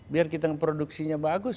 biar kita produksinya bagus